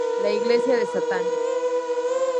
La Iglesia de Satán.